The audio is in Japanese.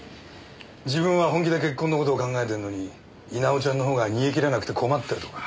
自分は本気で結婚の事を考えてるのに稲尾ちゃんのほうが煮え切らなくて困ってるとか。